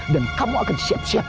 dan kamu akan siap siap